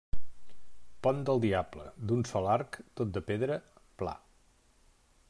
Pont del diable, d'un sol arc, tot de pedra, pla.